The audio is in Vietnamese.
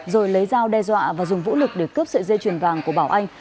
rồi lấy dao đe dọa và dùng vũ lực để cướp sợi dây chuyền vàng của bảo anh